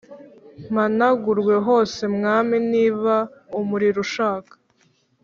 Mpanagurwe hose mwami niba umuriro ushaka